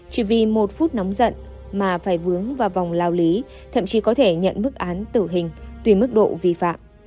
chỉ vì một phút nóng giận mà phải vướng vào vòng lao lý thậm chí có thể nhận mức án tử hình tùy mức độ vi phạm